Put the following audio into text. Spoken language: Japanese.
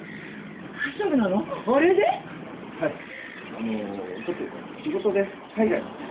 あのちょっと仕事で海外に急に？